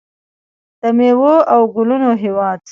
د میوو او ګلونو هیواد.